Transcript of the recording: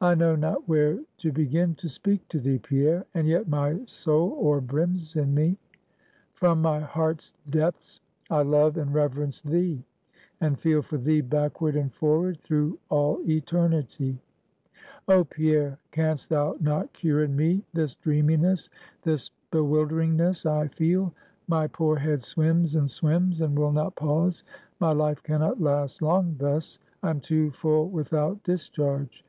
"I know not where to begin to speak to thee, Pierre; and yet my soul o'erbrims in me." "From my heart's depths, I love and reverence thee; and feel for thee, backward and forward, through all eternity!" "Oh, Pierre, can'st thou not cure in me this dreaminess, this bewilderingness I feel? My poor head swims and swims, and will not pause. My life can not last long thus; I am too full without discharge.